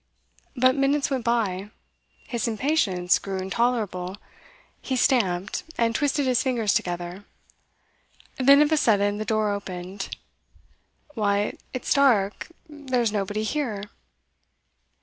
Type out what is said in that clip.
But minutes went by; his impatience grew intolerable; he stamped, and twisted his fingers together. Then of a sudden the door opened. 'Why, it's dark, there's nobody here.